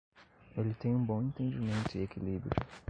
Ele tem um bom entendimento e equilíbrio